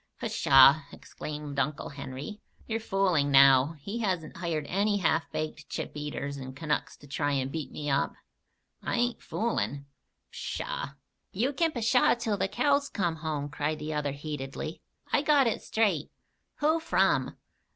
"Pshaw!" exclaimed Uncle Henry. "You're fooling now. He hasn't hired any half baked chip eaters and Canucks to try and beat me up?" "I ain't foolin'." "Pshaw!" "You kin 'pshaw' till the cows come home," cried the other heatedly. "I got it straight." "Who from?"